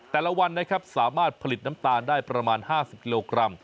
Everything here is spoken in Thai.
แต่ละวันนะครับสามารถผลิตน้ำตาลได้ประมาณ๕๐กิโลกรัม